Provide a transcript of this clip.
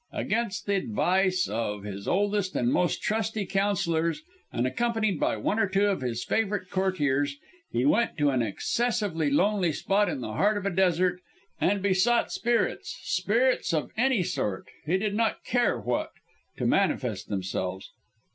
Against the advice of his oldest and most trusty counsellors, and accompanied by one or two of his favourite courtiers, he went to an excessively lonely spot in the heart of a desert, and besought spirits spirits of any sort he did not care what to manifest themselves.